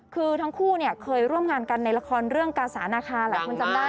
คือทั้งคู่เนี่ยเคยร่วมงานกันในละครเรื่องกาสานาคาหลายคนจำได้